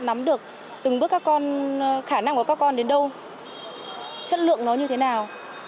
nắm được từng bước các con khả năng của các con đến đâu chất lượng nó như thế nào